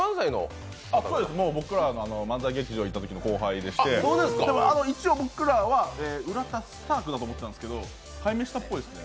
僕らの、漫才劇場にいたときの後輩で、一応、僕らは浦田スタークだと思っていたんですけど改名したんですね。